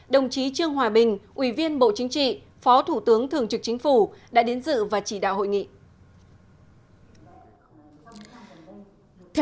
đồng chí trương hòa bình ủy viên bộ chính trị phó thủ tướng thường trực chính phủ đã đến dự và chỉnh